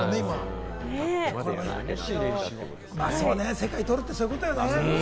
世界をとるって、そういうことよね。